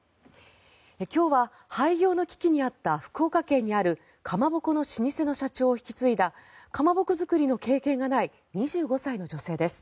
今日は廃業の危機にあった福岡県にあるかまぼこの老舗の社長を引き継いだかまぼこ作りの経験がない２５歳の女性です。